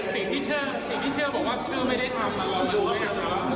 สิ่งที่เชื่อสิ่งที่เชื่อบอกว่าเชื่อไม่ได้ทำแล้วเรามาดูด้วยครับ